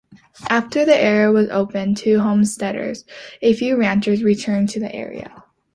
After the area was opened to homesteaders a few ranchers returned to the area.